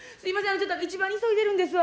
ちょっと市場に急いでるんですわ。